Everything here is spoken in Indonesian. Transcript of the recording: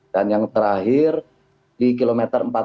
dan yang terakhir di km empat ratus tiga puluh empat